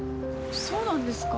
そうなんですか？